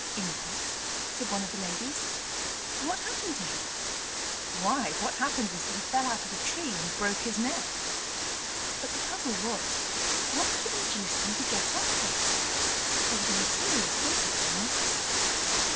'Inquest?' said one of the ladies. 'What has happened to him?' 'Why, what happened was that he fell out of a tree and broke his neck. But the puzzle was, what could have induced him to get up there. It was a mysterious business, I must say.